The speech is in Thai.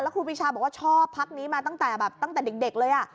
แล้วครูปรีชาบอกว่าชอบพักนี้มาตั้งแต่เด็กเลย